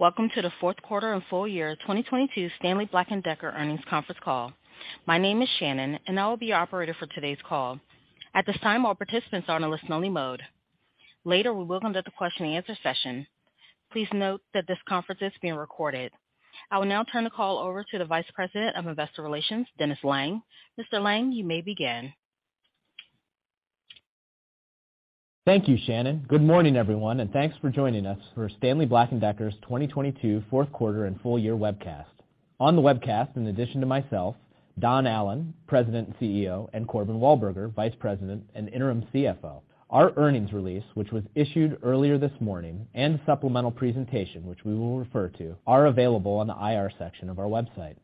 Welcome to the fourth quarter and full-year 2022 Stanley Black & Decker earnings conference call. My name is Shannon and I will be your operator for today's call. At this time, all participants are on a listen only mode. Later, we will conduct a question and answer session. Please note that this conference is being recorded. I will now turn the call over to the Vice President of Investor Relations, Dennis Lange. Mr. Lange, you may begin. Thank you, Shannon. Good morning, everyone, and thanks for joining us for Stanley Black & Decker's 2022 fourth quarter and full-year webcast. On the webcast, in addition to myself, Don Allan, President and CEO, and Corbin Walburger, Vice President and Interim CFO. Our earnings release, which was issued earlier this morning, and supplemental presentation, which we will refer to, are available on the IR section of our website.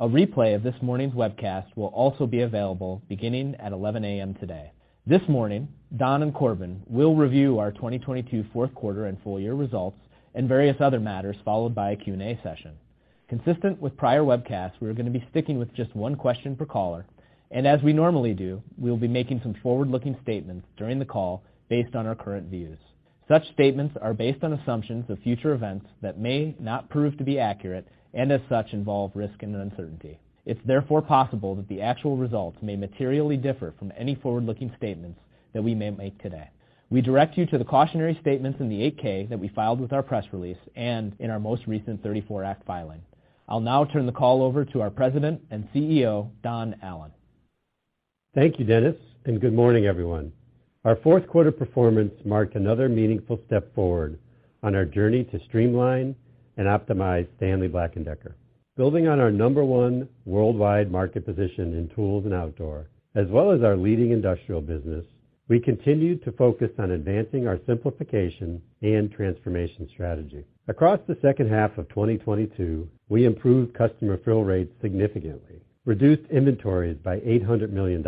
A replay of this morning's webcast will also be available beginning at 11:00 A.M. today. This morning, Don and Corbin will review our 2022 fourth quarter and full-year results and various other matters, followed by a Q&A session. Consistent with prior webcasts, we are gonna be sticking with just one question per caller and as we normally do, we'll be making some forward-looking statements during the call based on our current views. Such statements are based on assumptions of future events that may not prove to be accurate and as such involve risk and uncertainty. It's therefore possible that the actual results may materially differ from any forward-looking statements that we may make today. We direct you to the cautionary statements in the 8-K that we filed with our press release and in our most recent 34 Act filing. I'll now turn the call over to our President and CEO, Don Allan. Thank you, Dennis. Good morning, everyone. Our fourth quarter performance marked another meaningful step forward on our journey to streamline and optimize Stanley Black & Decker. Building on our number one worldwide market position in tools and outdoor, as well as our leading industrial business, we continued to focus on advancing our simplification and transformation strategy. Across the second half of 2022, we improved customer fill rates significantly, reduced inventories by $800 million,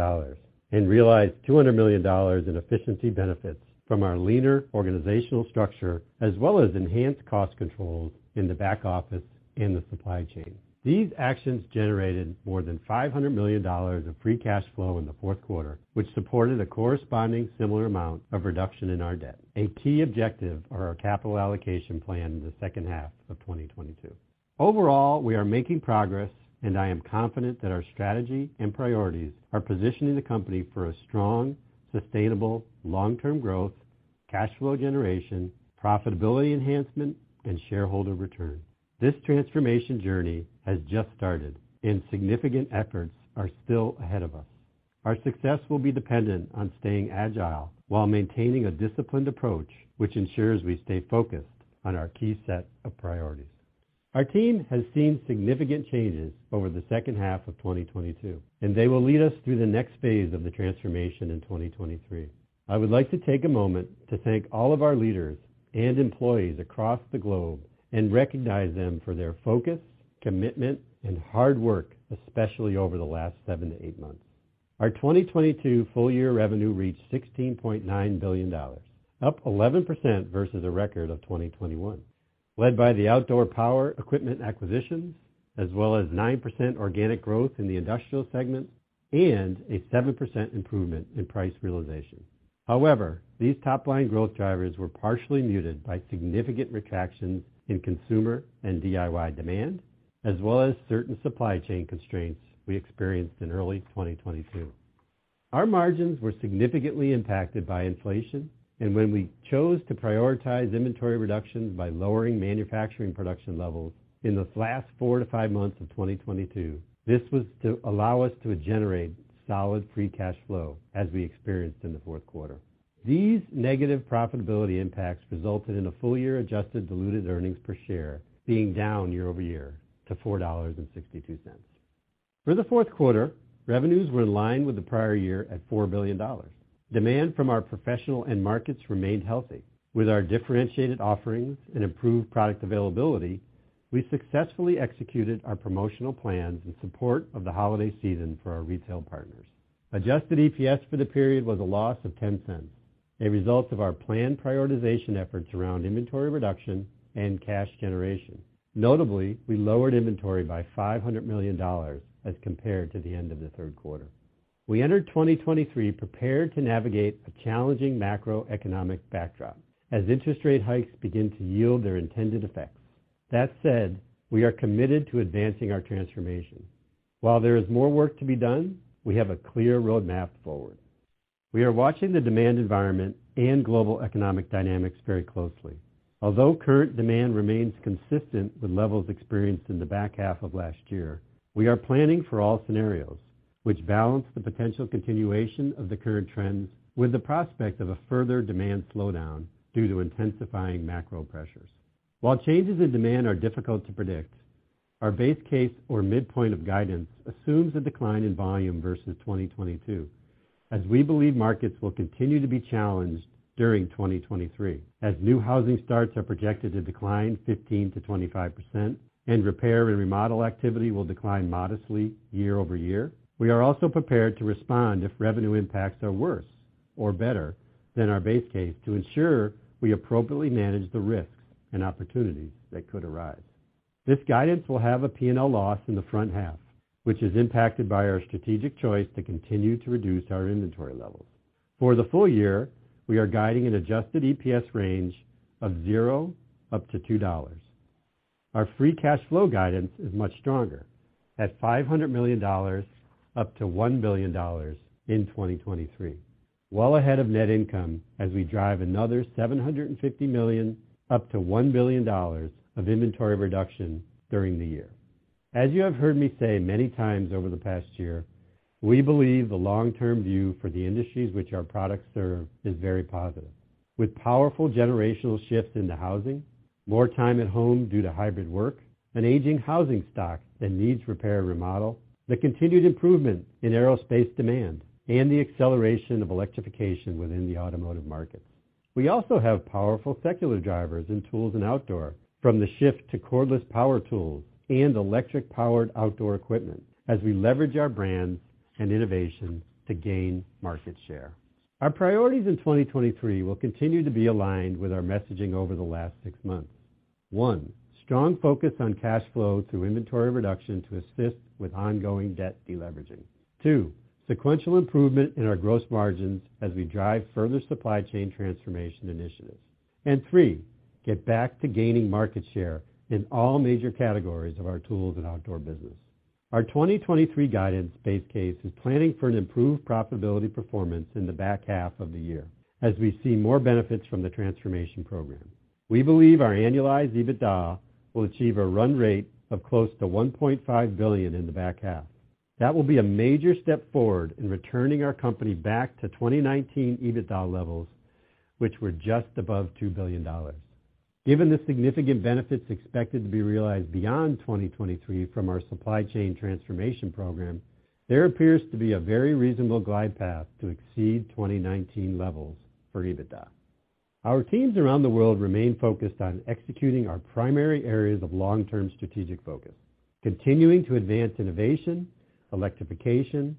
and realized $200 million in efficiency benefits from our leaner organizational structure as well as enhanced cost controls in the back office and the supply chain. These actions generated more than $500 million of free cash flow in the fourth quarter, which supported a corresponding similar amount of reduction in our debt, a key objective of our capital allocation plan in the second half of 2022. Overall, we are making progress, and I am confident that our strategy and priorities are positioning the company for a strong, sustainable long-term growth, cash flow generation, profitability enhancement, and shareholder return. This transformation journey has just started and significant efforts are still ahead of us. Our success will be dependent on staying agile while maintaining a disciplined approach, which ensures we stay focused on our key set of priorities. Our team has seen significant changes over the second half of 2022, and they will lead us through the next phase of the transformation in 2023. I would like to take a moment to thank all of our leaders and employees across the globe and recognize them for their focus, commitment, and hard work, especially over the last seven to eight months. Our 2022 full-year revenue reached $16.9 billion, up 11% versus a record of 2021, led by the outdoor power equipment acquisitions, as well as 9% organic growth in the industrial segment and a 7% improvement in price realization. These top-line growth drivers were partially muted by significant retractions in consumer and DIY demand, as well as certain supply chain constraints we experienced in early 2022. Our margins were significantly impacted by inflation, and when we chose to prioritize inventory reductions by lowering manufacturing production levels in the last 4 months-5 months of 2022, this was to allow us to generate solid free cash flow as we experienced in the Q4. These negative profitability impacts resulted in a full-year adjusted diluted earnings per share being down year-over-year to $4.62. For the fourth quarter, revenues were in line with the prior year at $4 billion. Demand from our professional end markets remained healthy. With our differentiated offerings and improved product availability, we successfully executed our promotional plans in support of the holiday season for our retail partners. Adjusted EPS for the period was a loss of $0.10, a result of our planned prioritization efforts around inventory reduction and cash generation. Notably, we lowered inventory by $500 million as compared to the end of the third quarter. We entered 2023 prepared to navigate a challenging macroeconomic backdrop as interest rate hikes begin to yield their intended effects. That said, we are committed to advancing our transformation. While there is more work to be done, we have a clear roadmap forward. We are watching the demand environment and global economic dynamics very closely. Although current demand remains consistent with levels experienced in the back half of last year, we are planning for all scenarios which balance the potential continuation of the current trends with the prospect of a further demand slowdown due to intensifying macro pressures. While changes in demand are difficult to predict, our base case or midpoint of guidance assumes a decline in volume versus 2022, as we believe markets will continue to be challenged during 2023, as new housing starts are projected to decline 15%-25% and repair and remodel activity will decline modestly year-over-year. We are also prepared to respond if revenue impacts are worse or better than our base case to ensure we appropriately manage the risks and opportunities that could arise. This guidance will have a P&L loss in the front half, which is impacted by our strategic choice to continue to reduce our inventory levels. For the full-year, we are guiding an adjusted EPS range of 0 up to $2. Our free cash flow guidance is much stronger at $500 million up to $1 billion in 2023. Well ahead of net income as we drive another $750 million up to $1 billion of inventory reduction during the year. As you have heard me say many times over the past year, we believe the long-term view for the industries which our products serve is very positive. With powerful generational shifts into housing, more time at home due to hybrid work, an aging housing stock that needs repair and remodel, the continued improvement in aerospace demand, and the acceleration of electrification within the automotive markets. We also have powerful secular drivers in tools and outdoor, from the shift to cordless power tools and electric-powered outdoor equipment as we leverage our brands and innovation to gain market share. Our priorities in 2023 will continue to be aligned with our messaging over the last six months. One, strong focus on cash flow through inventory reduction to assist with ongoing debt deleveraging. Two, sequential improvement in our gross margins as we drive further supply chain transformation initiatives. Three, get back to gaining market share in all major categories of our tools and outdoor business. Our 2023 guidance base case is planning for an improved profitability performance in the back half of the year as we see more benefits from the transformation program. We believe our annualized EBITDA will achieve a run rate of close to $1.5 billion in the back half. That will be a major step forward in returning our company back to 2019 EBITDA levels, which were just above $2 billion. Given the significant benefits expected to be realized beyond 2023 from our supply chain transformation program, there appears to be a very reasonable glide path to exceed 2019 levels for EBITDA. Our teams around the world remain focused on executing our primary areas of long-term strategic focus, continuing to advance innovation, electrification,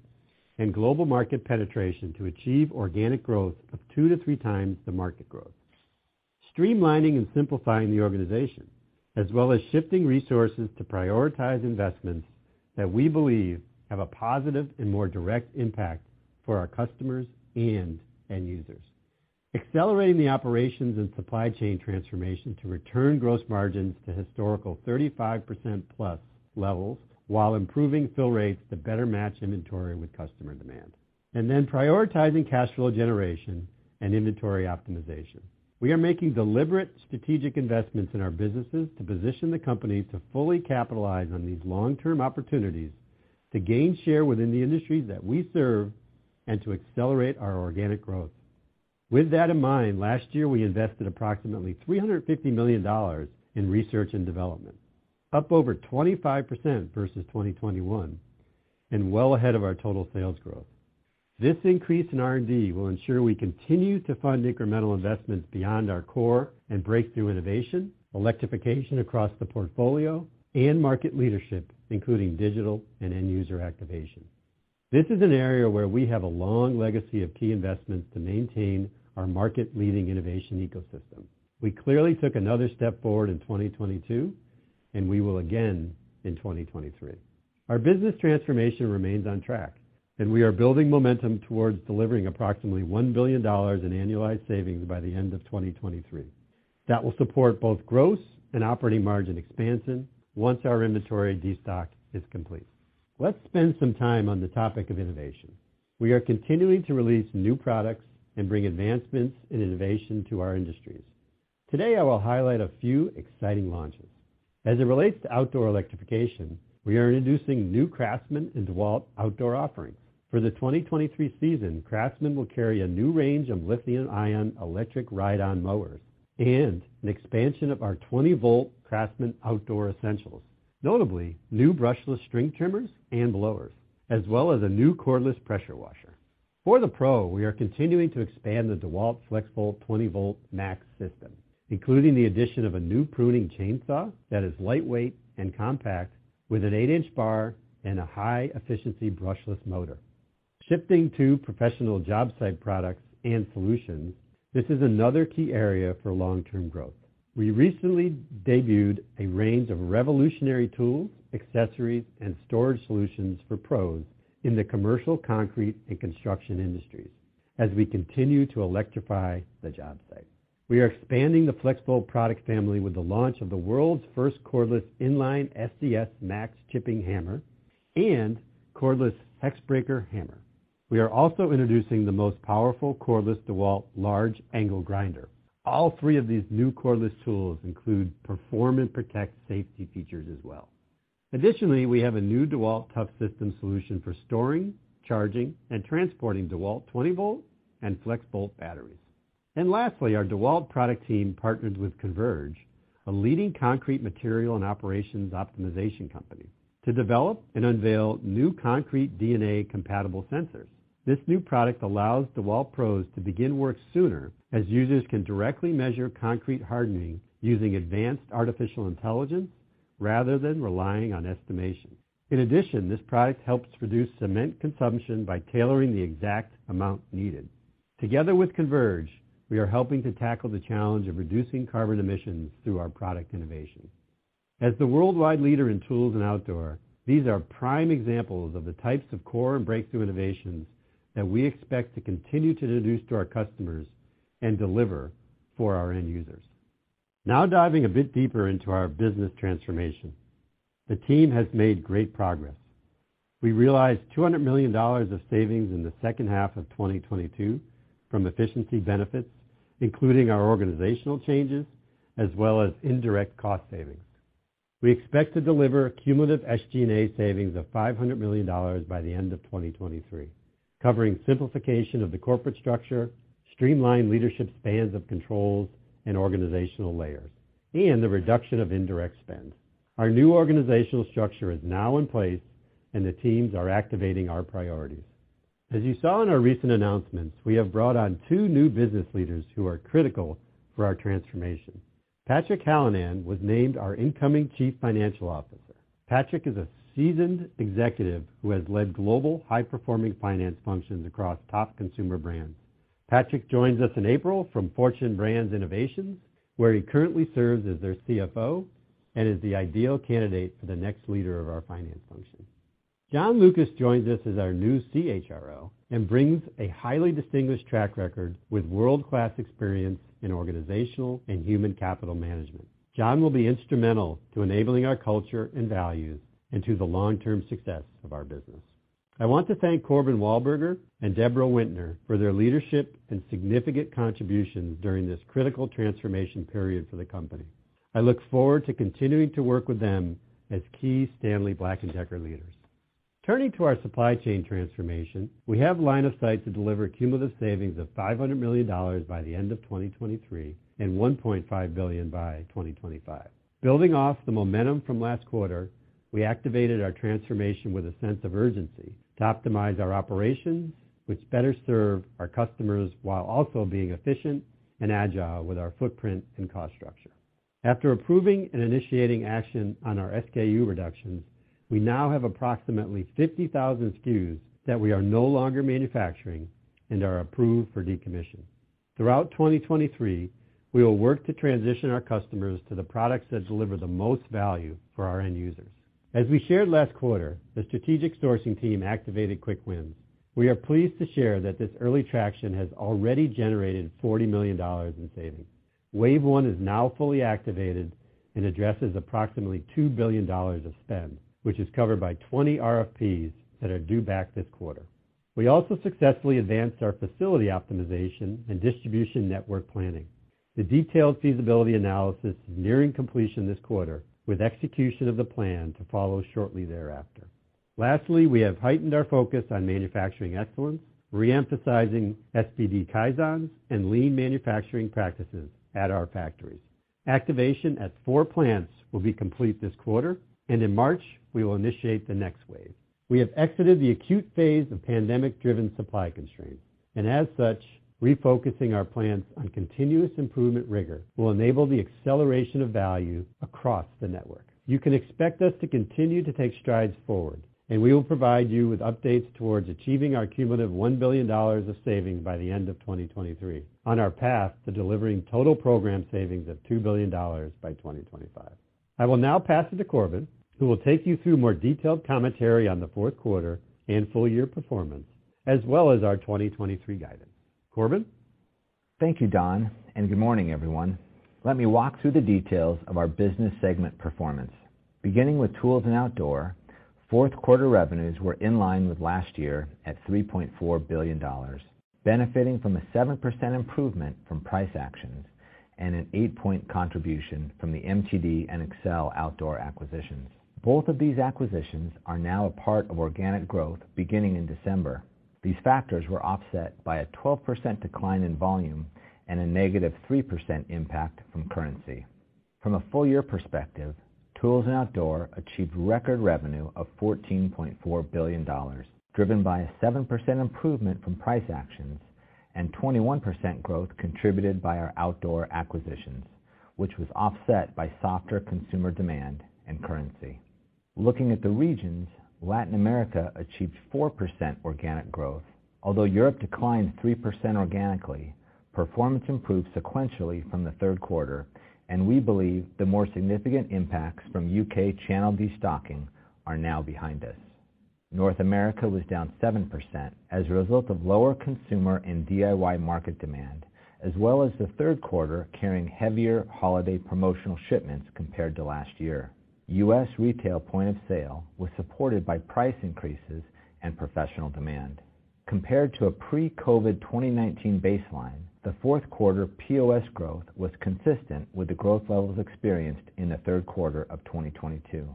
and global market penetration to achieve organic growth of 2x-3x the market growth. Streamlining and simplifying the organization, as well as shifting resources to prioritize investments that we believe have a positive and more direct impact for our customers and end users. Accelerating the operations and supply chain transformation to return gross margins to historical 35%+ levels while improving fill rates to better match inventory with customer demand. Prioritizing cash flow generation and inventory optimization. We are making deliberate strategic investments in our businesses to position the company to fully capitalize on these long-term opportunities to gain share within the industries that we serve and to accelerate our organic growth. With that in mind, last year, we invested approximately $350 million in research and development, up over 25% versus 2021, and well ahead of our total sales growth. This increase in R&D will ensure we continue to fund incremental investments beyond our core and breakthrough innovation, electrification across the portfolio, and market leadership, including digital and end user activation. This is an area where we have a long legacy of key investments to maintain our market-leading innovation ecosystem. We clearly took another step forward in 2022, and we will again in 2023. Our business transformation remains on track, and we are building momentum towards delivering approximately $1 billion in annualized savings by the end of 2023. That will support both gross and operating margin expansion once our inventory destock is complete. Let's spend some time on the topic of innovation. We are continuing to release new products and bring advancements in innovation to our industries. Today, I will highlight a few exciting launches. As it relates to outdoor electrification, we are introducing new CRAFTSMAN into DEWALT outdoor offerings. For the 2023 season, CRAFTSMAN will carry a new range of lithium-ion electric ride-on mowers and an expansion of our 20V CRAFTSMAN outdoor essentials, notably new brushless string trimmers and blowers, as well as a new cordless pressure washer. For the Pro, we are continuing to expand the DEWALT FLEXVOLT 20V MAX* system, including the addition of a new pruning chainsaw that is lightweight and compact with an 8-inch bar and a high-efficiency brushless motor. Shifting to professional job site products and solutions, this is another key area for long-term growth. We recently debuted a range of revolutionary tools, accessories, and storage solutions for pros in the commercial, concrete, and construction industries as we continue to electrify the job site. We are expanding the FLEXVOLT product family with the launch of the world's first cordless in-line SDS-max chipping hammer and cordless Hex Breaker Hammer. We are also introducing the most powerful cordless DEWALT large angle grinder. All three of these new cordless tools include PERFORM & PROTECT safety features as well. Additionally, we have a new DEWALT TOUGHSYSTEM solution for storing, charging, and transporting DEWALT 20 volt and FLEXVOLT batteries. Lastly, our DEWALT product team partnered with Converge, a leading concrete material and operations optimization company, to develop and unveil new ConcreteDNA-compatible sensors. This new product allows DEWALT pros to begin work sooner as users can directly measure concrete hardening using advanced artificial intelligence rather than relying on estimations. In addition, this product helps reduce cement consumption by tailoring the exact amount needed. Together with Converge, we are helping to tackle the challenge of reducing carbon emissions through our product innovation. As the worldwide leader in tools and outdoor, these are prime examples of the types of core and breakthrough innovations that we expect to continue to introduce to our customers and deliver for our end users. Diving a bit deeper into our business transformation, the team has made great progress. We realized $200 million of savings in the second half of 2022 from efficiency benefits, including our organizational changes, as well as indirect cost savings. We expect to deliver cumulative SG&A savings of $500 million by the end of 2023, covering simplification of the corporate structure, streamlined leadership spans of controls and organizational layers, and the reduction of indirect spend. Our new organizational structure is now in place, and the teams are activating our priorities. As you saw in our recent announcements, we have brought on two new business leaders who are critical for our transformation. Patrick Hallinan was named our incoming Chief Financial Officer. Patrick is a seasoned executive who has led global high-performing finance functions across top consumer brands. Patrick joins us in April from Fortune Brands Innovations, where he currently serves as their CFO and is the ideal candidate for the next leader of our finance function. John Lucas joins us as our new CHRO and brings a highly distinguished track record with world-class experience in organizational and human capital management. John will be instrumental to enabling our culture and values into the long-term success of our business. I want to thank Corbin Walburger and Deborah Winter for their leadership and significant contributions during this critical transformation period for the company. I look forward to continuing to work with them as key Stanley Black & Decker leaders. Turning to our supply chain transformation, we have line of sight to deliver cumulative savings of $500 million by the end of 2023 and $1.5 billion by 2025. Building off the momentum from last quarter, we activated our transformation with a sense of urgency to optimize our operations, which better serve our customers while also being efficient and agile with our footprint and cost structure. After approving and initiating action on our SKU reductions, we now have approximately 50,000 SKUs that we are no longer manufacturing and are approved for decommission. Throughout 2023, we will work to transition our customers to the products that deliver the most value for our end users. As we shared last quarter, the strategic sourcing team activated quick wins. We are pleased to share that this early traction has already generated $40 million in savings. Wave one is now fully activated and addresses approximately $2 billion of spend, which is covered by 20 RFPs that are due back this quarter. We also successfully advanced our facility optimization and distribution network planning. The detailed feasibility analysis is nearing completion this quarter, with execution of the plan to follow shortly thereafter. Lastly, we have heightened our focus on manufacturing excellence, re-emphasizing SBD Kaizens and lean manufacturing practices at our factories. Activation at four plants will be complete this quarter, and in March, we will initiate the next wave. We have exited the acute phase of pandemic-driven supply constraints, and as such, refocusing our plans on continuous improvement rigor will enable the acceleration of value across the network. You can expect us to continue to take strides forward, and we will provide you with updates towards achieving our cumulative $1 billion of savings by the end of 2023 on our path to delivering total program savings of $2 billion by 2025. I will now pass it to Corbin, who will take you through more detailed commentary on the fourth quarter and full-year performance, as well as our 2023 guidance. Corbin? Thank you, Don. Good morning, everyone. Let me walk through the details of our business segment performance. Beginning with tools and outdoor, fourth quarter revenues were in line with last year at $3.4 billion, benefiting from a 7% improvement from price actions and an eight-point contribution from the MTD and Excel outdoor acquisitions. Both of these acquisitions are now a part of organic growth beginning in December. These factors were offset by a 12% decline in volume and a negative 3% impact from currency. From a full-year perspective, tools and outdoor achieved record revenue of $14.4 billion, driven by a 7% improvement from price actions and 21% growth contributed by our outdoor acquisitions, which was offset by softer consumer demand and currency. Looking at the regions, Latin America achieved 4% organic growth. Although Europe declined 3% organically, performance improved sequentially from the third quarter, and we believe the more significant impacts from U.K. channel destocking are now behind us. North America was down 7% as a result of lower consumer and DIY market demand, as well as the third quarter carrying heavier holiday promotional shipments compared to last year. U.S. retail point of sale was supported by price increases and professional demand. Compared to a pre-COVID 2019 baseline, the fourth quarter POS growth was consistent with the growth levels experienced in the third quarter of 2022.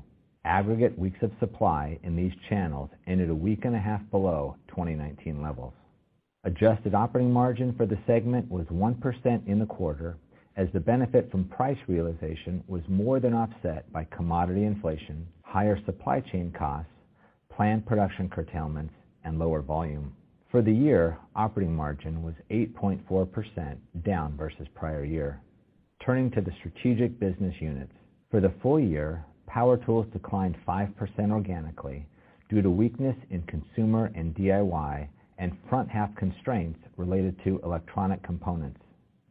Aggregate weeks of supply in these channels ended a week and a half below 2019 levels. Adjusted operating margin for the segment was 1% in the quarter as the benefit from price realization was more than offset by commodity inflation, higher supply chain costs, planned production curtailment, and lower volume. For the year, operating margin was 8.4% down versus prior year. Turning to the strategic business units. For the full-year, power tools declined 5% organically due to weakness in consumer and DIY and front half constraints related to electronic components.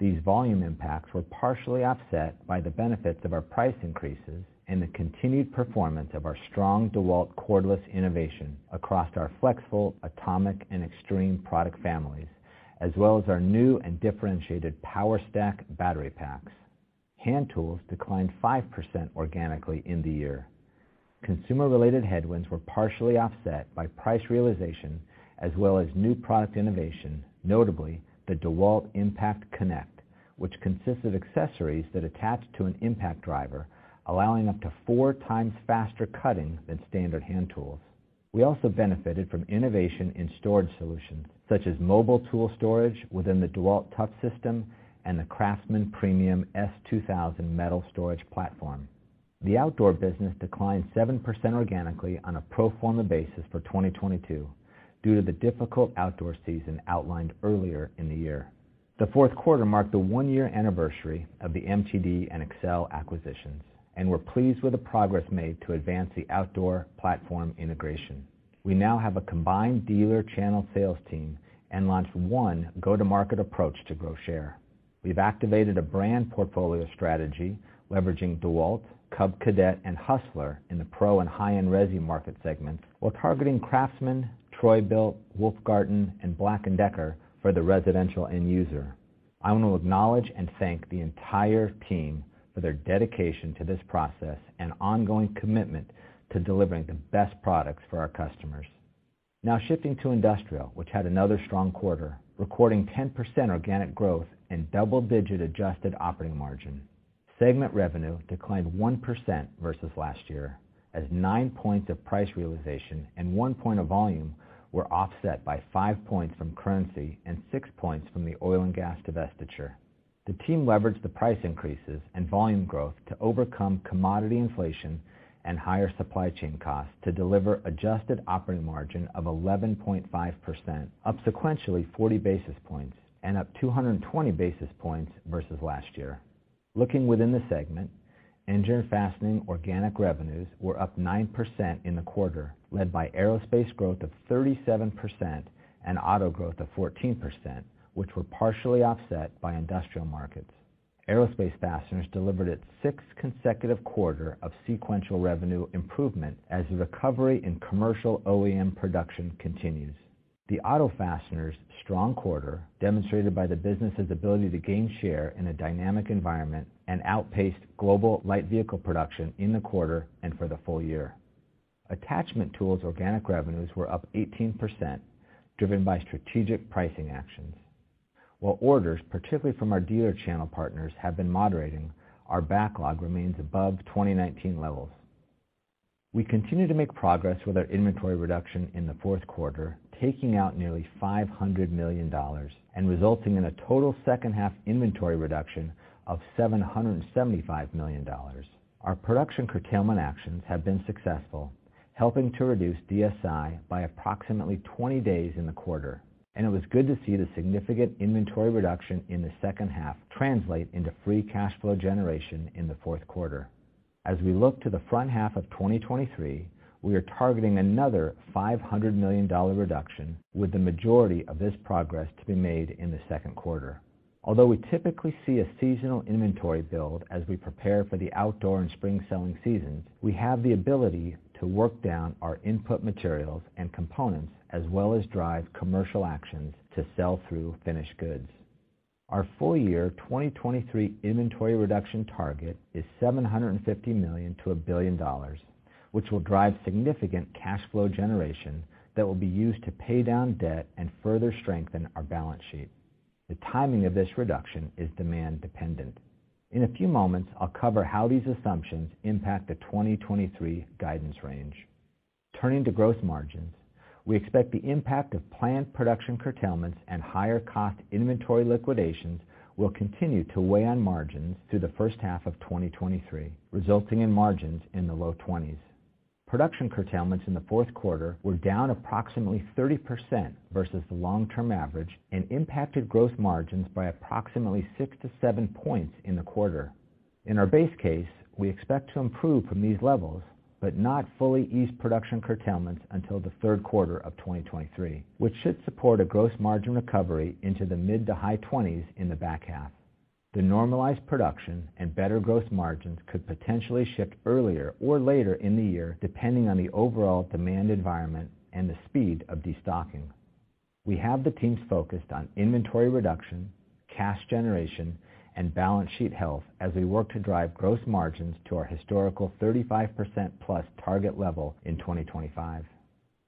These volume impacts were partially offset by the benefits of our price increases and the continued performance of our strong DEWALT cordless innovation across our flexible, ATOMIC, and XTREME product families, as well as our new and differentiated POWERSTACK battery packs. Hand tools declined 5% organically in the year. Consumer-related headwinds were partially offset by price realization as well as new product innovation, notably the DEWALT IMPACT CONNECT, which consists of accessories that attach to an impact driver, allowing up to 4 times faster cutting than standard hand tools. We also benefited from innovation in storage solutions such as mobile tool storage within the DEWALT TOUGHSYSTEM and the CRAFTSMAN Premium S2000 metal storage platform. The outdoor business declined 7% organically on a pro forma basis for 2022 due to the difficult outdoor season outlined earlier in the year. The fourth quarter marked the 1-year anniversary of the MTD and Excel Industries acquisitions, and we're pleased with the progress made to advance the outdoor platform integration. We now have a combined dealer channel sales team and launched one go-to-market approach to grow share. We've activated a brand portfolio strategy leveraging DEWALT, Cub Cadet, and Hustler in the pro and high-end resi market segments, while targeting CRAFTSMAN, Troy-Bilt, WOLF-Garten, and BLACK+DECKER for the residential end user. I want to acknowledge and thank the entire team for their dedication to this process and ongoing commitment to delivering the best products for our customers. Shifting to Industrial, which had another strong quarter, recording 10% organic growth and double-digit adjusted operating margin. Segment revenue declined 1% versus last year, as nine points of price realization and 1 point of volume were offset by five points from currency and six points from the oil and gas divestiture. The team leveraged the price increases and volume growth to overcome commodity inflation and higher supply chain costs to deliver adjusted operating margin of 11.5%, up sequentially 40 basis points and up 220 basis points versus last year. Looking within the segment, Engineered Fastening organic revenues were up 9% in the quarter, led by aerospace growth of 37% and auto growth of 14%, which were partially offset by industrial markets. Aerospace fasteners delivered its sixth consecutive quarter of sequential revenue improvement as the recovery in commercial OEM production continues. The auto fasteners' strong quarter, demonstrated by the business's ability to gain share in a dynamic environment and outpaced global light vehicle production in the quarter and for the full-year. Attachment tools organic revenues were up 18%, driven by strategic pricing actions. While orders, particularly from our dealer channel partners, have been moderating, our backlog remains above 2019 levels. We continue to make progress with our inventory reduction in the fourth quarter, taking out nearly $500 million and resulting in a total second-half inventory reduction of $775 million. Our production curtailment actions have been successful, helping to reduce DSI by approximately 20 days in the quarter, and it was good to see the significant inventory reduction in the second half translate into free cash flow generation in the fourth quarter. As we look to the front half of 2023, we are targeting another $500 million reduction, with the majority of this progress to be made in the second quarter. Although we typically see a seasonal inventory build as we prepare for the outdoor and spring selling seasons, we have the ability to work down our input materials and components, as well as drive commercial actions to sell through finished goods. Our full-year 2023 inventory reduction target is $750 million-$1 billion, which will drive significant cash flow generation that will be used to pay down debt and further strengthen our balance sheet. The timing of this reduction is demand-dependent. In a few moments, I'll cover how these assumptions impact the 2023 guidance range. Turning to gross margins, we expect the impact of planned production curtailments and higher-cost inventory liquidations will continue to weigh on margins through the first half of 2023, resulting in margins in the low 20s. Production curtailments in the fourth quarter were down approximately 30% versus the long-term average and impacted gross margins by approximately 6 points-7 points in the quarter. In our base case, we expect to improve from these levels, but not fully ease production curtailments until the third quarter of 2023, which should support a gross margin recovery into the mid-to-high 20s in the back half. The normalized production and better gross margins could potentially shift earlier or later in the year, depending on the overall demand environment and the speed of destocking. We have the teams focused on inventory reduction, cash generation, and balance sheet health as we work to drive gross margins to our historical 35%+ target level in 2025.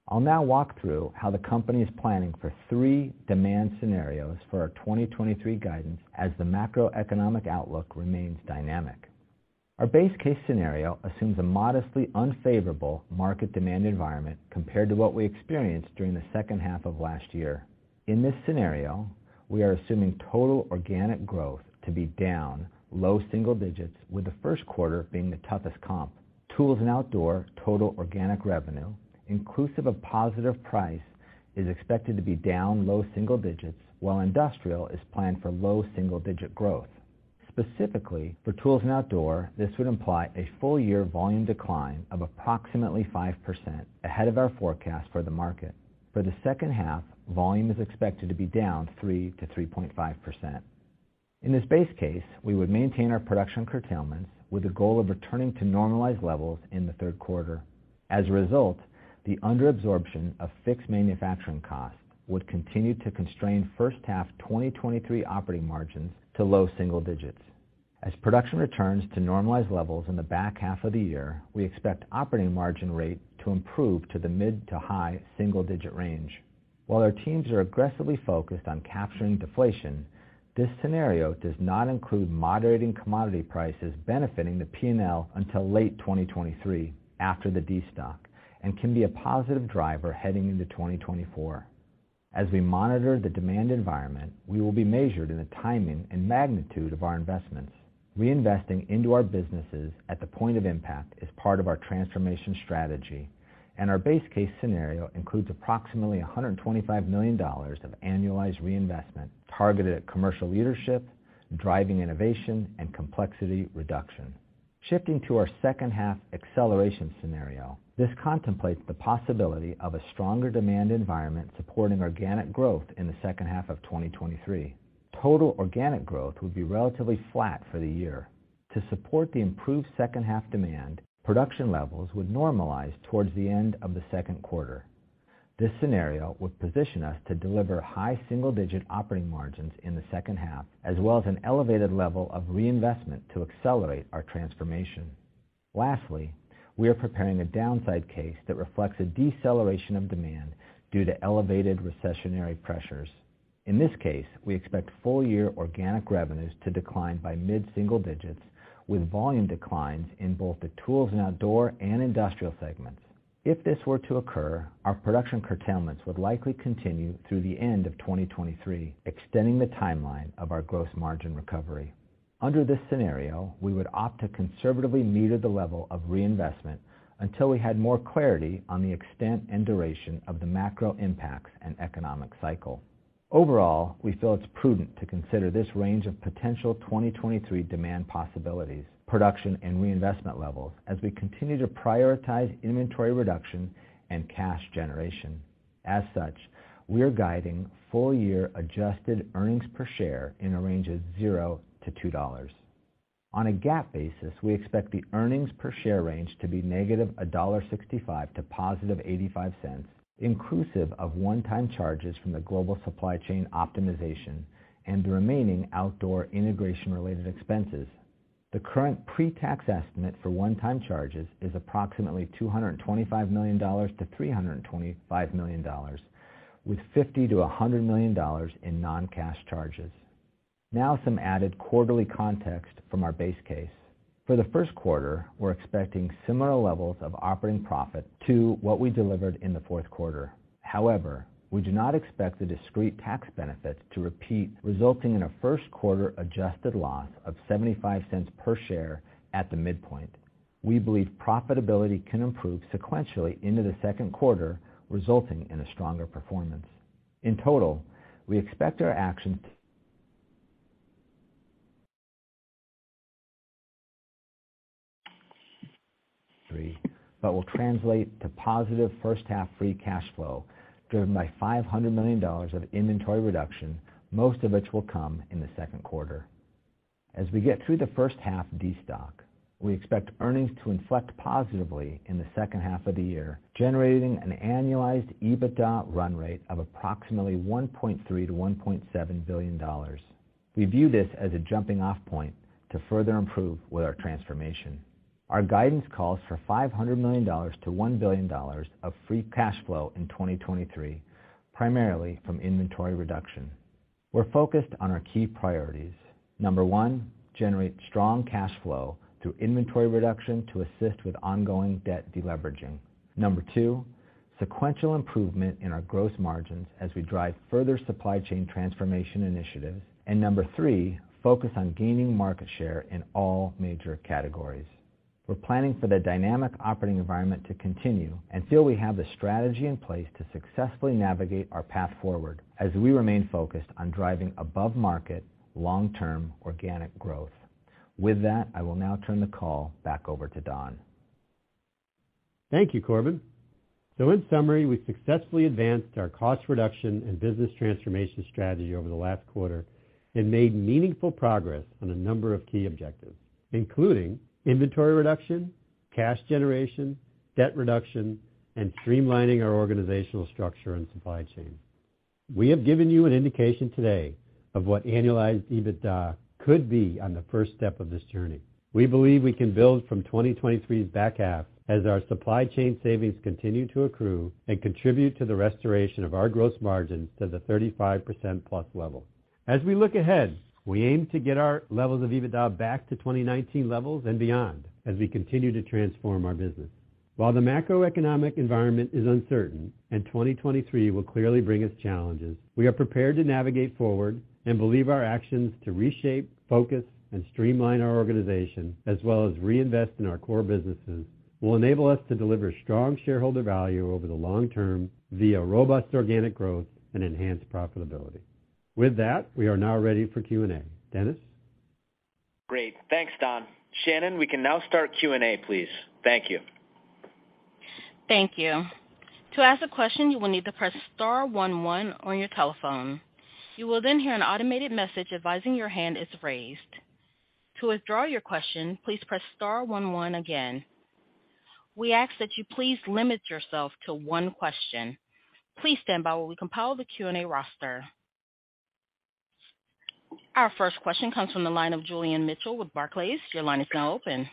I'll now walk through how the company is planning for three demand scenarios for our 2023 guidance as the macroeconomic outlook remains dynamic. Our base case scenario assumes a modestly unfavorable market demand environment compared to what we experienced during the second half of last year. In this scenario, we are assuming total organic growth to be down low single digits, with the 1st quarter being the toughest comp. Tools and outdoor total organic revenue, inclusive of positive price, is expected to be down low single digits, while industrial is planned for low double single-digit growth. Specifically, for tools and outdoor, this would imply a full-year volume decline of approximately 5% ahead of our forecast for the market. For the second half, volume is expected to be down 3%-3.5%. In this base case, we would maintain our production curtailments with the goal of returning to normalized levels in the third quarter. As a result, the under-absorption of fixed manufacturing costs would continue to constrain 1st half 2023 operating margins to low single digits. As production returns to normalized levels in the back half of the year, we expect operating margin rate to improve to the mid to high-single-digit range. While our teams are aggressively focused on capturing deflation, this scenario does not include moderating commodity prices benefiting the P&L until late 2023 after the destock, and can be a positive driver heading into 2024. As we monitor the demand environment, we will be measured in the timing and magnitude of our investments. Reinvesting into our businesses at the point of impact is part of our transformation strategy, and our base case scenario includes approximately $125 million of annualized reinvestment targeted at commercial leadership, driving innovation and complexity reduction. Shifting to our second half acceleration scenario, this contemplates the possibility of a stronger demand environment supporting organic growth in the second half of 2023. Total organic growth would be relatively flat for the year. To support the improved second half demand, production levels would normalize towards the end of the second quarter. This scenario would position us to deliver high single-digit operating margins in the second half, as well as an elevated level of reinvestment to accelerate our transformation. We are preparing a downside case that reflects a deceleration of demand due to elevated recessionary pressures. In this case, we expect full-year organic revenues to decline by mid-single-digits with volume declines in both the tools in outdoor and industrial segments. If this were to occur, our production curtailments would likely continue through the end of 2023, extending the timeline of our gross margin recovery. Under this scenario, we would opt to conservatively meter the level of reinvestment until we had more clarity on the extent and duration of the macro impacts and economic cycle. Overall, we feel it's prudent to consider this range of potential 2023 demand possibilities, production and reinvestment levels as we continue to prioritize inventory reduction and cash generation. As such, we are guiding full-year adjusted earnings per share in a range of $0-$2. On a GAAP basis, we expect the earnings per share range to be -$1.65 to + $0.85, inclusive of one-time charges from the global supply chain optimization and the remaining outdoor integration related expenses. The current pre-tax estimate for one-time charges is approximately $225 million-$325 million with $50 million-$100 million in non-cash charges. Now some added quarterly context from our base case. For the first quarter, we're expecting similar levels of operating profit to what we delivered in the fourth quarter. We do not expect the discrete tax benefit to repeat, resulting in a first quarter adjusted loss of $0.75 per share at the midpoint. We believe profitability can improve sequentially into the second quarter, resulting in a stronger performance. In total, we expect our actions three, but will translate to positive first half free cash flow driven by $500 million of inventory reduction, most of which will come in the second quarter. We get through the first half destock, we expect earnings to inflect positively in the second half of the year, generating an annualized EBITDA run rate of approximately $1.3 billion-$1.7 billion. We view this as a jumping off point to further improve with our transformation. Our guidance calls for $500 million-$1 billion of free cash flow in 2023, primarily from inventory reduction. We're focused on our key priorities. Number one, generate strong cash flow through inventory reduction to assist with ongoing debt deleveraging. Number two, sequential improvement in our gross margins as we drive further supply chain transformation initiatives. Number 3, focus on gaining market share in all major categories. We're planning for the dynamic operating environment to continue and feel we have the strategy in place to successfully navigate our path forward as we remain focused on driving above market long-term organic growth. With that, I will now turn the call back over to Don. Thank you, Corbin. In summary, we successfully advanced our cost reduction and business transformation strategy over the last quarter and made meaningful progress on a number of key objectives, including inventory reduction, cash generation, debt reduction, and streamlining our organizational structure and supply chain. We have given you an indication today of what annualized EBITDA could be on the first step of this journey. We believe we can build from 2023's back half as our supply chain savings continue to accrue and contribute to the restoration of our gross margins to the 35%+ level. As we look ahead, we aim to get our levels of EBITDA back to 2019 levels and beyond as we continue to transform our business. While the macroeconomic environment is uncertain and 2023 will clearly bring us challenges, we are prepared to navigate forward and believe our actions to reshape, focus, and streamline our organization, as well as reinvest in our core businesses, will enable us to deliver strong shareholder value over the long term via robust organic growth and enhanced profitability. With that, we are now ready for Q&A. Dennis? Great. Thanks, Don. Shannon, we can now start Q&A, please. Thank you. Thank you. To ask a question, you will need to press star one one on your telephone. You will then hear an automated message advising your hand is raised. To withdraw your question, please press star one one again. We ask that you please limit yourself to one question. Please stand by while we compile the Q&A roster. Our first question comes from the line of Julian Mitchell with Barclays. Your line is now open.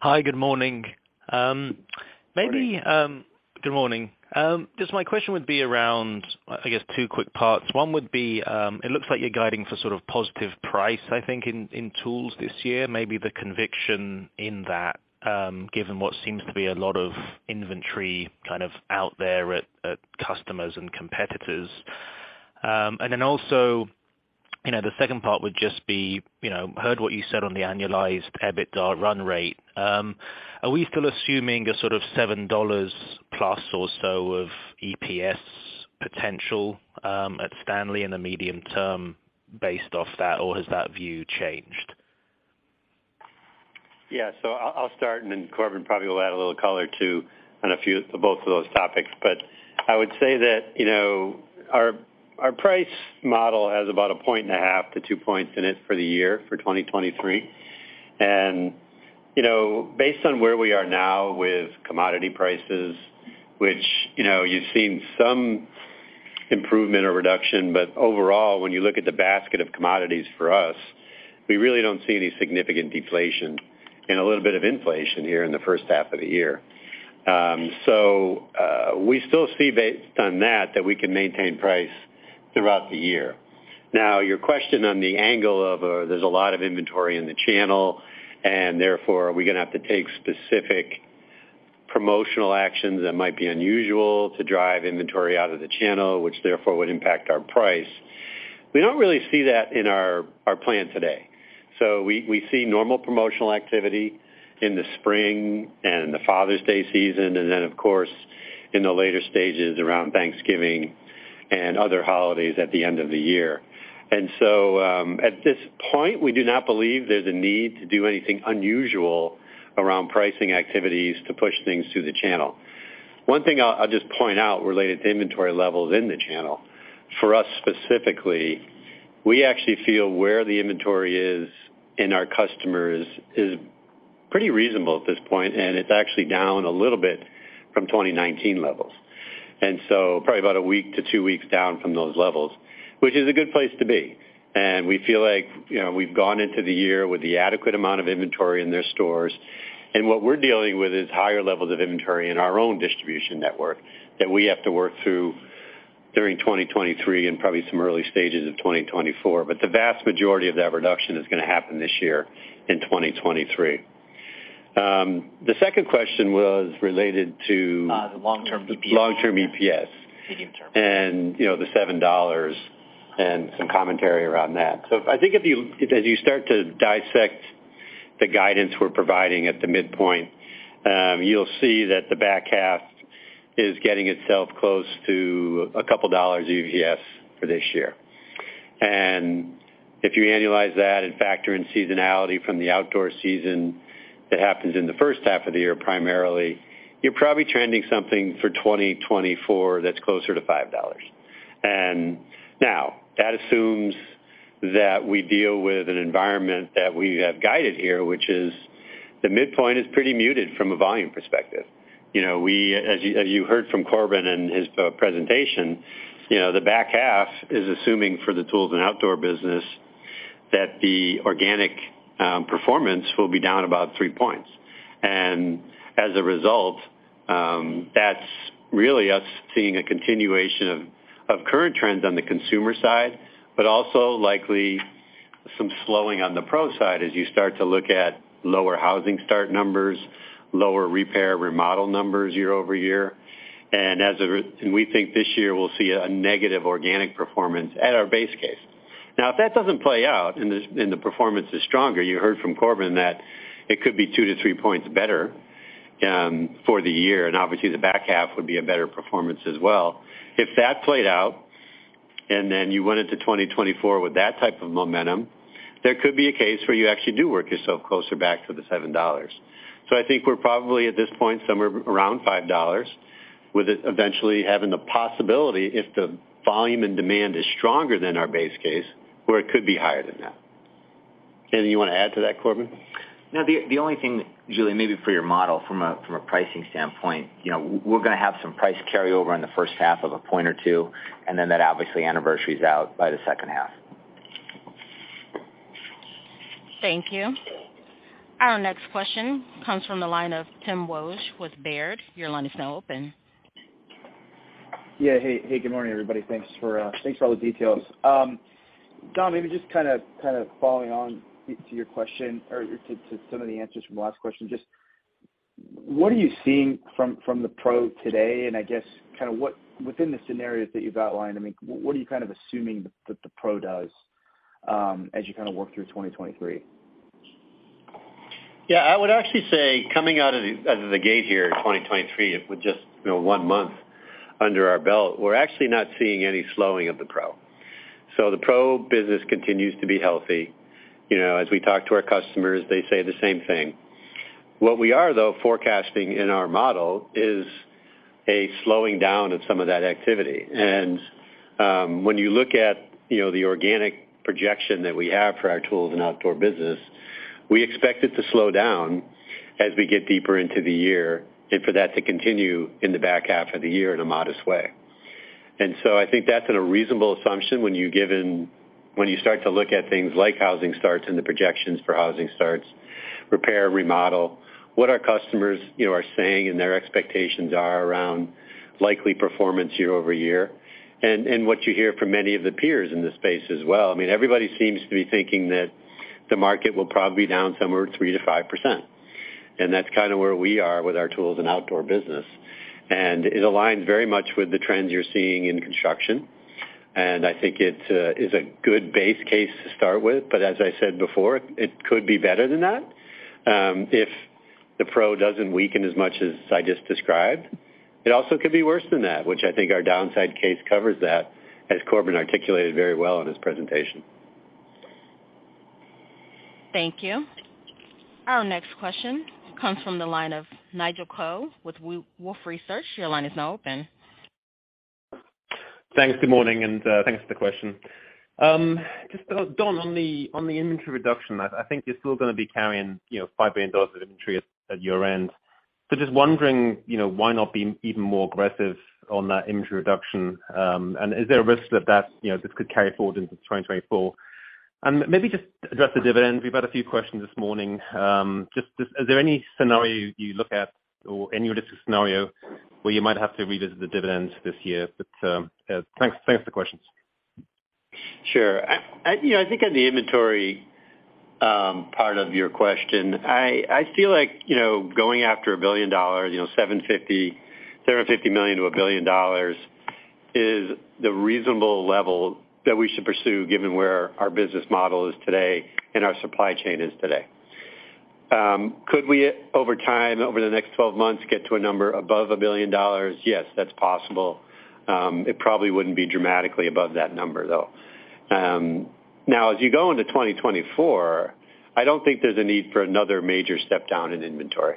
Hi. Good morning. maybe, Good morning. Good morning. Just my question would be around, I guess, two quick parts. One would be, it looks like you're guiding for sort of positive price, I think, in tools this year, maybe the conviction in that, given what seems to be a lot of inventory kind of out there at customers and competitors. Also, you know, the second part would just be, you know, heard what you said on the annualized EBITDAR run rate. Are we still assuming a sort of $7 plus or so of EPS potential at Stanley in the medium term based off that, or has that view changed? I'll start, and then Corbin probably will add a little color too on both of those topics. I would say that, you know, our price model has about 1.5 points-2 points in it for the year, for 2023. You know, based on where we are now with commodity prices, which, you know, you've seen some improvement or reduction, but overall, when you look at the basket of commodities for us, we really don't see any significant deflation and a little bit of inflation here in the first half of the year. We still see based on that we can maintain price throughout the year. Your question on the angle of, there's a lot of inventory in the channel, and therefore, are we gonna have to take specific promotional actions that might be unusual to drive inventory out of the channel, which therefore would impact our price, we don't really see that in our plan today. We see normal promotional activity in the spring and the Father's Day season, and then of course, in the later stages around Thanksgiving and other holidays at the end of the year. At this point, we do not believe there's a need to do anything unusual around pricing activities to push things through the channel. One thing I'll just point out related to inventory levels in the channel, for us specifically, we actually feel where the inventory is in our customers is pretty reasonable at this point, it's actually down a little bit from 2019 levels. Probably about a week to two weeks down from those levels, which is a good place to be. We feel like, you know, we've gone into the year with the adequate amount of inventory in their stores. What we're dealing with is higher levels of inventory in our own distribution network that we have to work through during 2023 and probably some early stages of 2024. The vast majority of that reduction is gonna happen this year in 2023. The second question was related to the long-term EPS. Long-term EPS. Medium term. You know, the $7 and some commentary around that. I think if you as you start to dissect the guidance we're providing at the midpoint, you'll see that the back half is getting itself close to a couple dollars EPS for this year. If you annualize that and factor in seasonality from the outdoor season that happens in the first half of the year, primarily, you're probably trending something for 2024 that's closer to $5. Now that assumes that we deal with an environment that we have guided here, which is the midpoint is pretty muted from a volume perspective. You know, as you, as you heard from Corbin and his presentation, you know, the back half is assuming for the tools and outdoor business that the organic performance will be down about three points. As a result, that's really us seeing a continuation of current trends on the consumer side, but also likely some slowing on the pro side as you start to look at lower housing start numbers, lower repair remodel numbers year-over-year. We think this year we'll see a negative organic performance at our base case. Now, if that doesn't play out and the performance is stronger, you heard from Corbin that it could be 2 points-3 points better for the year, and obviously, the back half would be a better performance as well. If that played out, and then you went into 2024 with that type of momentum, there could be a case where you actually do work yourself closer back to the $7. I think we're probably, at this point, somewhere around $5, with it eventually having the possibility, if the volume and demand is stronger than our base case, where it could be higher than that. Anything you wanna add to that, Corbin? No. The, the only thing, Julian, maybe for your model from a, from a pricing standpoint, you know, we're gonna have some price carryover in the first half of a point or two, and then that obviously anniversaries out by the second half. Thank you. Our next question comes from the line of Timothy Wojs with Baird. Your line is now open. Yeah. Hey. Hey, good morning, everybody. Thanks for thanks for all the details. Don, maybe just kinda following on to your question or to some of the answers from the last question. Just what are you seeing from the pro today? I guess kinda within the scenarios that you've outlined, I mean, what are you kind of assuming that the pro does as you kinda work through 2023? Yeah, I would actually say coming out of the, out of the gate here in 2023, with just, you know, one month under our belt, we're actually not seeing any slowing of the pro. The pro business continues to be healthy. You know, as we talk to our customers, they say the same thing. What we are, though, forecasting in our model is a slowing down of some of that activity. When you look at, you know, the organic projection that we have for our tools and outdoor business, we expect it to slow down as we get deeper into the year, and for that to continue in the back half of the year in a modest way. I think that's been a reasonable assumption when you start to look at things like housing starts and the projections for housing starts, repair, remodel, what our customers, you know, are saying and their expectations are around likely performance year-over-year, and what you hear from many of the peers in this space as well. I mean, everybody seems to be thinking that the market will probably be down somewhere 3%-5%. That's kind of where we are with our tools and outdoor business. It aligns very much with the trends you're seeing in construction. I think it's a good base case to start with. As I said before, it could be better than that if the pro doesn't weaken as much as I just described. It also could be worse than that, which I think our downside case covers that, as Corbin articulated very well in his presentation. Thank you. Our next question comes from the line of Nigel Coe with Wolfe Research. Your line is now open. Thanks. Good morning, and thanks for the question. Just, Don, on the, on the inventory reduction, I think you're still gonna be carrying, you know, $5 billion of inventory at year-end. Just wondering, you know, why not be even more aggressive on that inventory reduction? Is there a risk that, you know, this could carry forward into 2024? Maybe just address the dividends. We've had a few questions this morning. Just, is there any scenario you look at or any realistic scenario where you might have to revisit the dividends this year? Thanks for the questions. Sure. I, you know, I think on the inventory, part of your question, I feel like, you know, going after $1 billion, $750 million-$1 billion is the reasonable level that we should pursue given where our business model is today and our supply chain is today. Could we over time, over the next 12 months, get to a number above $1 billion? Yes, that's possible. It probably wouldn't be dramatically above that number, though. As you go into 2024, I don't think there's a need for another major step down in inventory.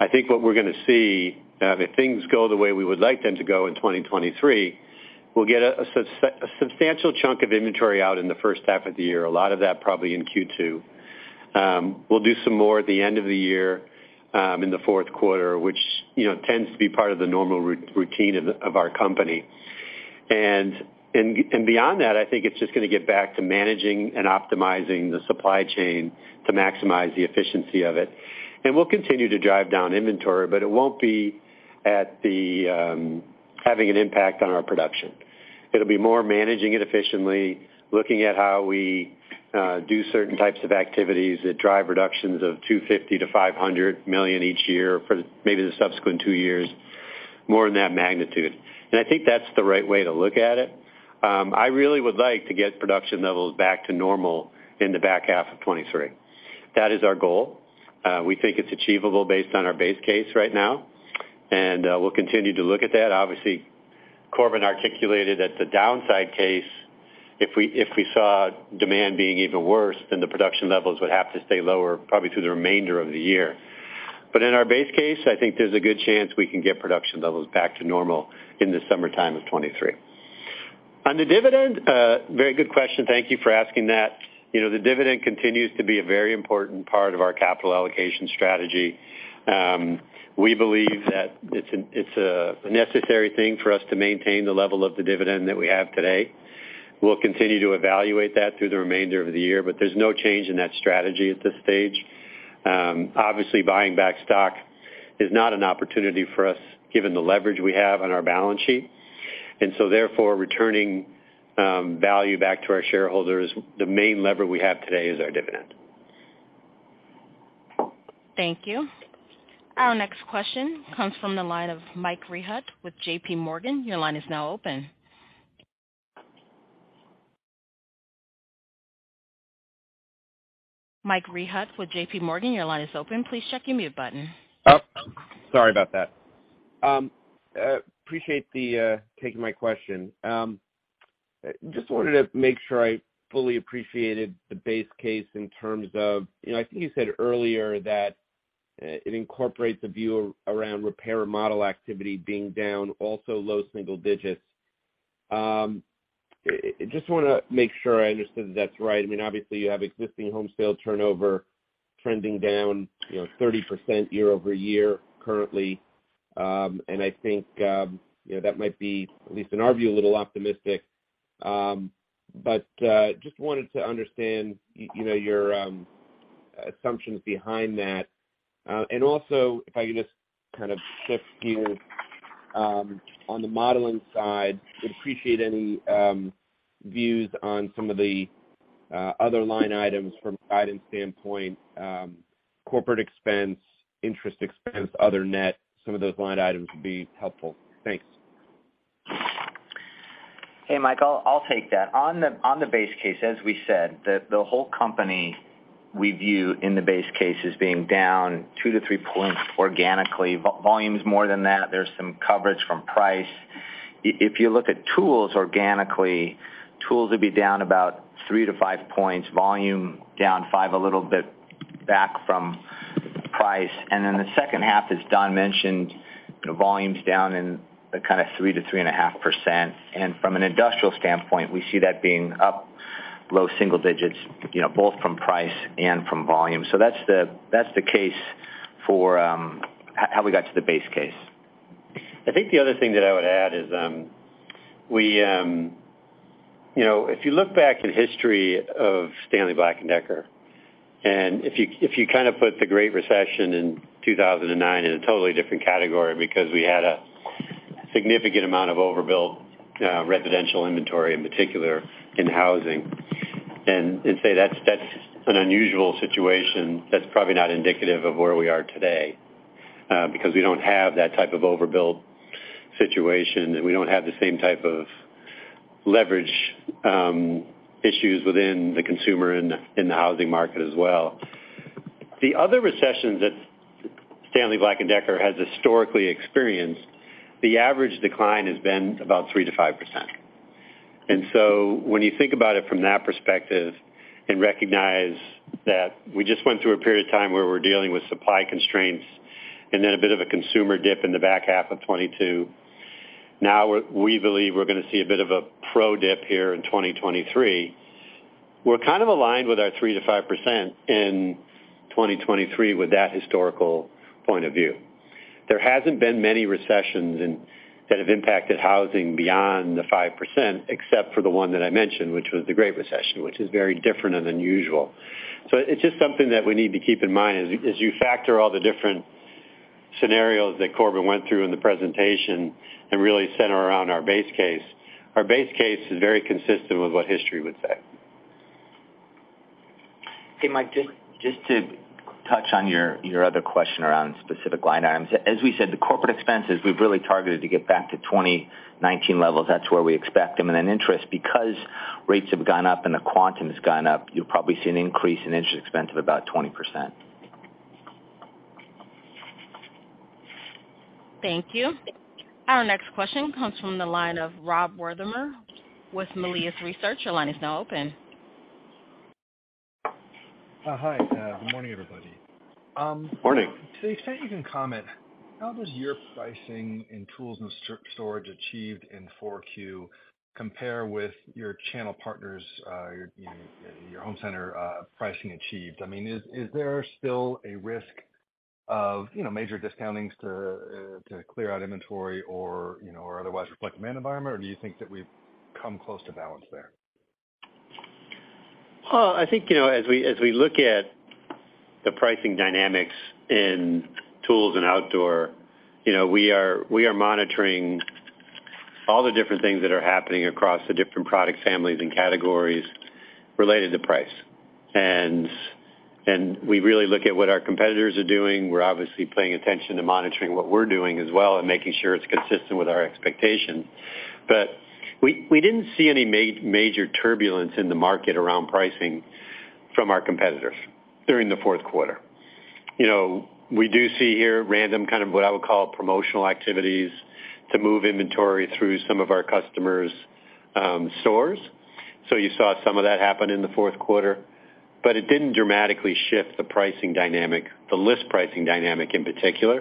I think what we're gonna see, if things go the way we would like them to go in 2023, we'll get a substantial chunk of inventory out in the first half of the year, a lot of that probably in Q2. We'll do some more at the end of the year, in the fourth quarter, which, you know, tends to be part of the normal routine of our company. Beyond that, I think it's just gonna get back to managing and optimizing the supply chain to maximize the efficiency of it. We'll continue to drive down inventory, but it won't be at the having an impact on our production. It'll be more managing it efficiently, looking at how we do certain types of activities that drive reductions of $250 million-$500 million each year for maybe the subsequent two years, more in that magnitude. I think that's the right way to look at it. I really would like to get production levels back to normal in the back half of 2023. That is our goal. We think it's achievable based on our base case right now, and we'll continue to look at that. Obviously, Corbin articulated at the downside case, if we saw demand being even worse, then the production levels would have to stay lower probably through the remainder of the year. In our base case, I think there's a good chance we can get production levels back to normal in the summertime of 2023. On the dividend, very good question.. Thank you for asking that. You know, the dividend continues to be a very important part of our capital allocation strategy. We believe that it's a necessary thing for us to maintain the level of the dividend that we have today. We'll continue to evaluate that through the remainder of the year, but there's no change in that strategy at this stage. Obviously buying back stock is not an opportunity for us given the leverage we have on our balance sheet. Therefore, returning, value back to our shareholders, the main lever we have today is our dividend. Thank you. Our next question comes from the line of Michael Rehaut with JPMorgan. Your line is now open. Michael Rehaut with JPMorgan, your line is open. Please check your mute button. Sorry about that. Appreciate the taking my question. Just wanted to make sure I fully appreciated the base case in terms of, you know, I think you said earlier that it incorporates a view around repair and model activity being down, also low-single-digits. Just wanna make sure I understood that's right. I mean, obviously you have existing home sales turnover trending down, you know, 30% year-over-year currently. I think, you know, that might be, at least in our view, a little optimistic. Just wanted to understand, you know, your assumptions behind that. If I could just kind of shift gears, on the modeling side, would appreciate any views on some of the other line items from a guidance standpoint, corporate expense, interest expense, other net, some of those line items would be helpful. Thanks. Hey, Mike, I'll take that. On the base case, as we said, the whole company we view in the base case as being down 2%-3% organically. Volume is more than that. There's some coverage from price. If you look at tools organically, tools will be down about 3%-5%, volume down 5%, a little bit back from price. Then the second half, as Don mentioned, the volume's down in the kind of 3%-3.5%. From an industrial standpoint, we see that being up low-single-digits, you know, both from price and from volume. That's the, that's the case for how we got to the base case. I think the other thing that I would add is, we. You know, if you look back at the history of Stanley Black & Decker, and if you, if you kind of put the Great Recession in 2009 in a totally different category because we had a significant amount of overbuilt residential inventory, in particular in housing, and say that's an unusual situation, that's probably not indicative of where we are today, because we don't have that type of overbuild situation, and we don't have the same type of leverage issues within the consumer and the, in the housing market as well. The other recessions that Stanley Black & Decker has historically experienced, the average decline has been about 3%-5%. When you think about it from that perspective and recognize that we just went through a period of time where we're dealing with supply constraints and then a bit of a consumer dip in the back half of 2022. Now we believe we're gonna see a bit of a pro dip here in 2023. We're kind of aligned with our 3%-5% in 2023 with that historical point of view. There hasn't been many recessions that have impacted housing beyond the 5%, except for the one that I mentioned, which was the Great Recession, which is very different and unusual. It's just something that we need to keep in mind as you factor all the different scenarios that Corbin went through in the presentation and really center around our base case. Our base case is very consistent with what history would say. Hey, Mike, just to touch on your other question around specific line items. As we said, the corporate expenses we've really targeted to get back to 2019 levels. That's where we expect them. Then interest, because rates have gone up and the quantum has gone up, you'll probably see an increase in interest expense of about 20%. Thank you. Our next question comes from the line of Rob Wertheimer with Melius Research. Your line is now open. Hi. Good morning, everybody. Morning. To the extent you can comment, how does your pricing in tools and storage achieved in 4Q compare with your channel partners, your home center pricing achieved? I mean, is there still a risk of, you know, major discountings to clear out inventory or, you know, or otherwise reflect demand environment, or do you think that we've come close to balance there? Well, I think, you know, as we, as we look at the pricing dynamics in tools and outdoor, you know, we are, we are monitoring all the different things that are happening across the different product families and categories related to price. We really look at what our competitors are doing. We're obviously paying attention to monitoring what we're doing as well and making sure it's consistent with our expectations. We didn't see any major turbulence in the market around pricing from our competitors during the fourth quarter. You know, we do see here random, kind of what I would call promotional activities to move inventory through some of our customers' stores. You saw some of that happen in the fourth quarter. It didn't dramatically shift the pricing dynamic, the list pricing dynamic in particular,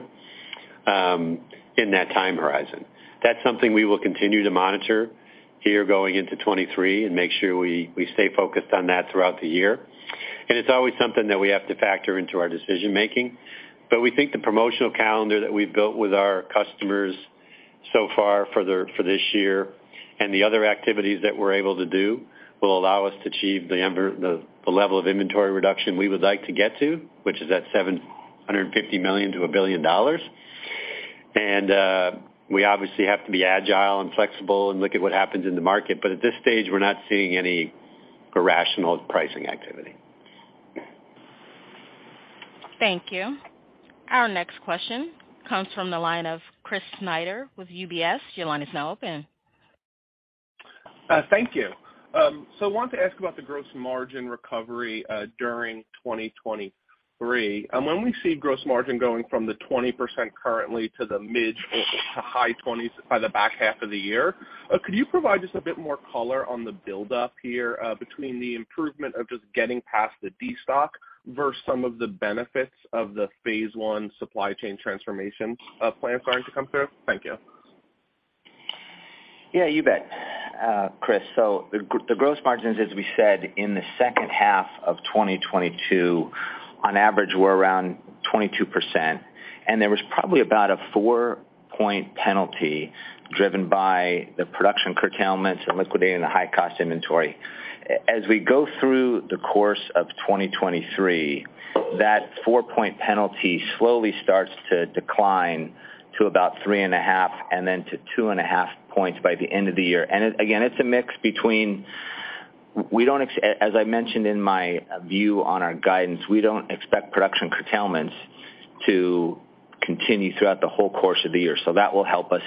in that time horizon. That's something we will continue to monitor here going into 2023 and make sure we stay focused on that throughout the year. It's always something that we have to factor into our decision-making. We think the promotional calendar that we've built with our customers so far for this year and the other activities that we're able to do will allow us to achieve the level of inventory reduction we would like to get to, which is at $750 million-$1 billion. We obviously have to be agile and FLEXVOLT and look at what happens in the market, but at this stage, we're not seeing any irrational pricing activity. Thank you. Our next question comes from the line of Chris Snyder with UBS. Your line is now open. Thank you. I wanted to ask about the gross margin recovery during 2023. When we see gross margin going from the 20% currently to the mid to high twenties by the back half of the year, could you provide just a bit more color on the buildup here, between the improvement of just getting past the destock versus some of the benefits of the Phase 1 Supply Chain Transformation plan starting to come through? Thank you. Yeah, you bet, Chris. The gross margins, as we said in the second half of 2022 on average were around 22%, and there was probably about a four-point penalty driven by the production curtailments and liquidating the high-cost inventory. As we go through the course of 2023, that four-point penalty slowly starts to decline to about three and a half, and then to two and a half points by the end of the year. Again, it's a mix between As I mentioned in my view on our guidance, we don't expect production curtailments to continue throughout the whole course of the year, that will help us.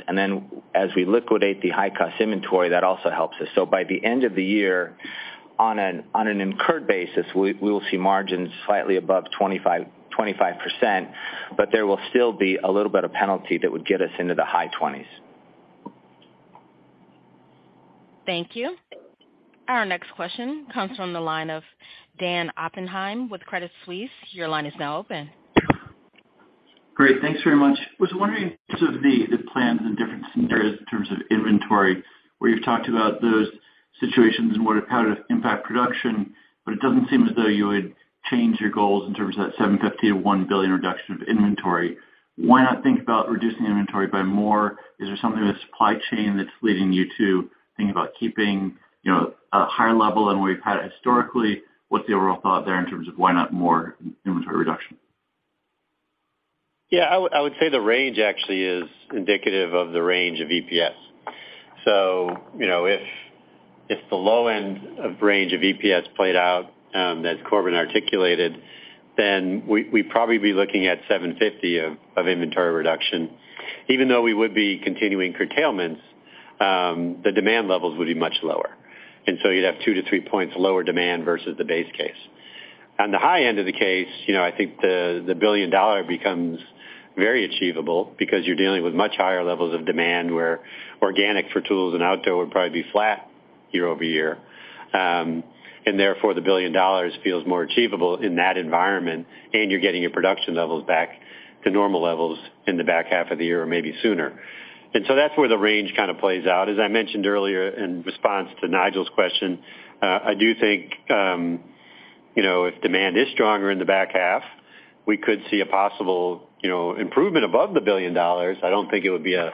As we liquidate the high-cost inventory, that also helps us. By the end of the year, on an incurred basis, we will see margins slightly above 25%, but there will still be a little bit of penalty that would get us into the high 20s. Thank you. Our next question comes from the line of Dan Oppenheim with Credit Suisse. Your line is now open. Great. Thanks very much. Was wondering sort of the plans in different scenarios in terms of inventory, where you've talked about those situations and what how to impact production, but it doesn't seem as though you would change your goals in terms of that $750 million-$1 billion reduction of inventory. Why not think about reducing inventory by more? Is there something in the supply chain that's leading you to think about keeping, you know, a higher level than we've had historically? What's the overall thought there in terms of why not more inventory reduction? I would say the range actually is indicative of the range of EPS. You know, if the low end of range of EPS played out, as Corbin articulated, we'd probably be looking at $750 of inventory reduction. Even though we would be continuing curtailments, the demand levels would be much lower, you'd have 2%-3% lower demand versus the base case. On the high end of the case, you know, I think the $1 billion becomes very achievable because you're dealing with much higher levels of demand, where organic for tools and outdoor would probably be flat year-over-year. The $1 billion feels more achievable in that environment, you're getting your production levels back to normal levels in the back half of the year or maybe sooner. That's where the range kind of plays out. As I mentioned earlier in response to Nigel's question, I do think, you know, if demand is stronger in the back half, we could see a possible, you know, improvement above the $1 billion. I don't think it would be a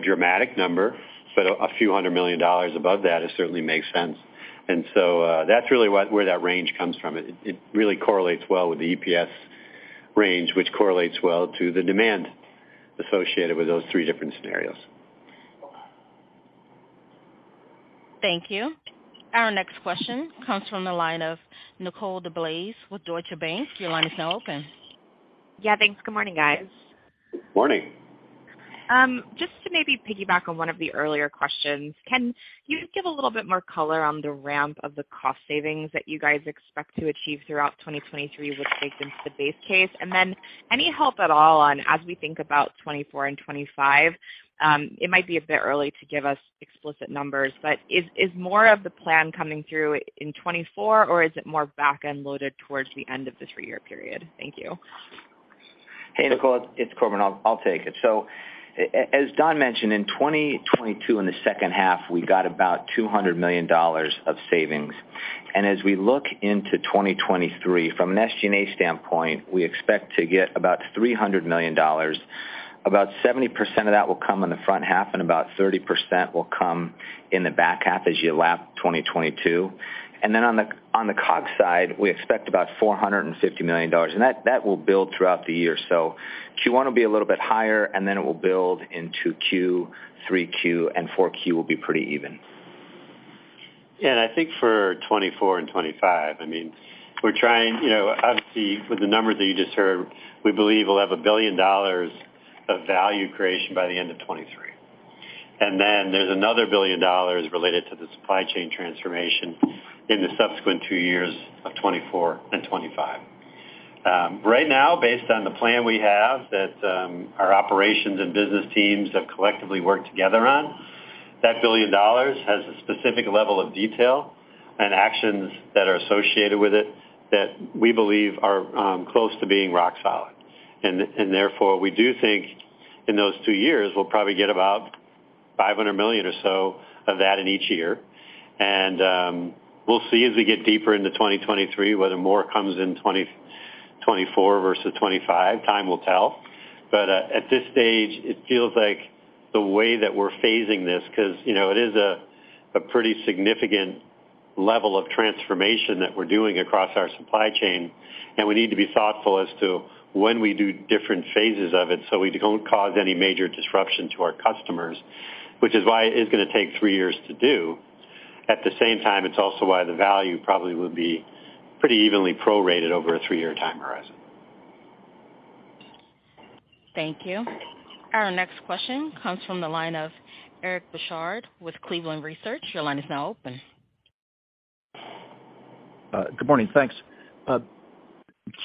dramatic number, but a few $100 million above that, it certainly makes sense. That's really where that range comes from. It really correlates well with the EPS range, which correlates well to the demand associated with those three different scenarios. Thank you. Our next question comes from the line of Nicole DeBlase with Deutsche Bank. Your line is now open. Yeah, thanks. Good morning, guys. Morning. Just to maybe piggyback on one of the earlier questions, can you give a little bit more color on the ramp of the cost savings that you guys expect to achieve throughout 2023 with stakes into the base case? Any help at all on as we think about 2024 and 2025, it might be a bit early to give us explicit numbers, but is more of the plan coming through in 2024 or is it more back-end loaded towards the end of the three-year period? Thank you. Hey, Nicole, it's Corbin. I'll take it. As Don mentioned, in 2022, in the second half, we got about $200 million of savings. As we look into 2023, from an SG&A standpoint, we expect to get about $300 million. About 70% of that will come in the front half and about 30% will come in the back half as you lap 2022. On the COGS side, we expect about $450 million, and that will build throughout the year. Q1 will be a little bit higher, and then it will build into Q3, and 4Q will be pretty even. I think for 2024 and 2025, I mean, we're trying, you know, obviously with the numbers that you just heard, we believe we'll have $1 billion of value creation by the end of 2023. There's another $1 billion related to the supply chain transformation in the subsequent two years of 2024 and 2025. Right now, based on the plan we have that our operations and business teams have collectively worked together on, that $1 billion has a specific level of detail and actions that are associated with it that we believe are close to being rock solid. Therefore, we do think in those two years, we'll probably get about $500 million or so of that in each year. We'll see as we get deeper into 2023 whether more comes in 2024 versus 2025. Time will tell. At this stage, it feels like the way that we're phasing this, 'cause, you know, it is a pretty significant level of transformation that we're doing across our supply chain, and we need to be thoughtful as to when we do different phases of it, so we don't cause any major disruption to our customers, which is why it is gonna take three years to do. At the same time, it's also why the value probably would be pretty evenly prorated over a three-year time horizon. Thank you. Our next question comes from the line of Eric Bosshard with Cleveland Research. Your line is now open. Good morning. Thanks.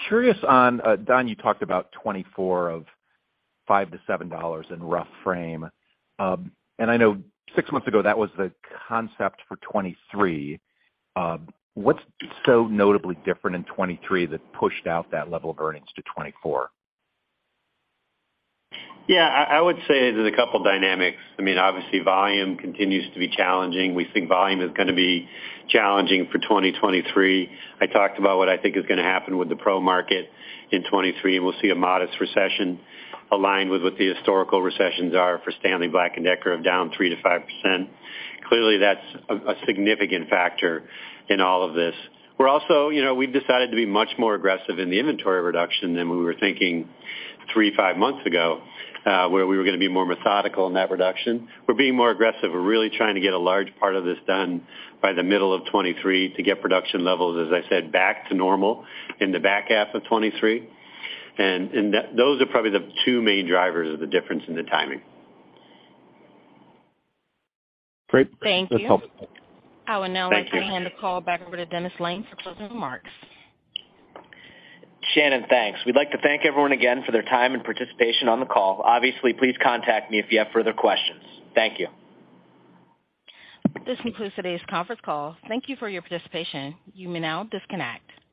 Curious on Don, you talked about 2024 of $5-$7 in rough frame. I know six months ago, that was the concept for 2023. What's so notably different in 2023 that pushed out that level of earnings to 2024? I would say there's a couple dynamics. I mean, obviously volume continues to be challenging. We think volume is gonna be challenging for 2023. I talked about what I think is gonna happen with the pro market in 2023. We'll see a modest recession aligned with what the historical recessions are for Stanley Black & Decker of down 3%-5%. Clearly, that's a significant factor in all of this. We're also, you know, we've decided to be much more aggressive in the inventory reduction than we were thinking three, five months ago, where we were gonna be more methodical in that reduction. We're being more aggressive. We're really trying to get a large part of this done by the middle of 2023 to get production levels, as I said, back to normal in the back half of 2023. Those are probably the two main drivers of the difference in the timing. Great. That's helpful. Thank you. Thank you. hand the call back over to Dennis Lange for closing remarks. Shannon, thanks. We'd like to thank everyone again for their time and participation on the call. Obviously, please contact me if you have further questions. Thank you. This concludes today's conference call. Thank you for your participation. You may now disconnect.